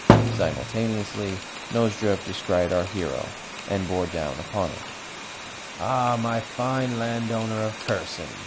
Simultaneously Nozdrev descried our hero and bore down upon him. "Ah, my fine landowner of Kherson!"